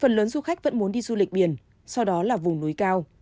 phần lớn du khách vẫn muốn đi du lịch biển sau đó là vùng núi cao